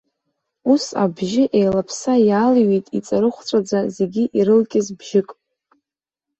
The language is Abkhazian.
Ус абри абжьы еилаԥса иаалҩит иҵарыхәҵәаӡа, зегь ирылкьыз бжьык.